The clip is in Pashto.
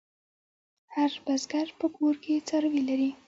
هر بزگر په کور کې څاروي لري.